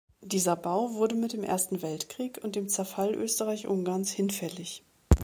Dieser Bau wurde mit dem Ersten Weltkrieg und dem Zerfall Österreich-Ungarns hinfällig.